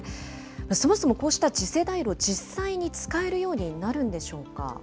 そもそもこうした次世代炉、実際に使えるようになるんでしょうか。